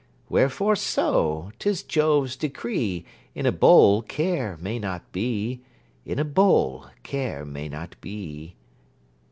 Wherefore so? 'Tis Jove's decree, In a bowl Care may not be; In a bowl Care may not be.